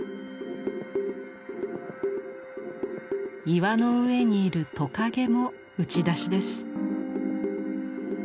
岩の上にいるトカゲも打ち出しです。